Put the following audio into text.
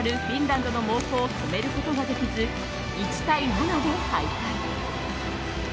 フィンランドの猛攻を止めることができず１対７で敗退。